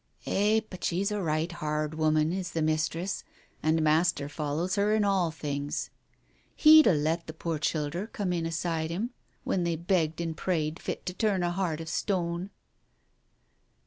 "Eh, but she's a right hard woman, is the mistress, and master follows her in all things. He'd have let the poor childer come in aside him, when they begged and prayed fit to turn a heart of stone.